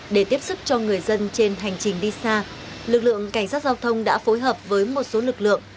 để tiếp sức cho người dân trên hành trình đi xa lực lượng cảnh sát giao thông đã phối hợp với một số lực lượng